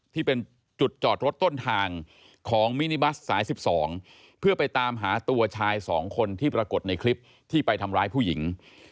ที่เป็นจุดจอดรถต้นทางของมินิบัสสาย๑๒เพื่อไปตามหาตัวชาย๒คนที่ปรากฏในคลิปที่ไปทำร้ายผู้หญิง